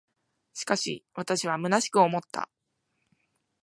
しかし、私は虚しく思った。